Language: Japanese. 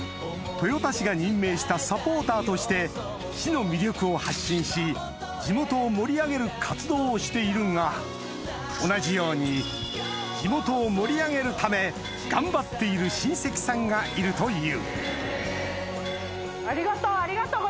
豊田市が任命したサポーターとして市の魅力を発信し地元を盛り上げる活動をしているが同じように地元を盛り上げるため頑張っている親戚さんがいるというありがとう。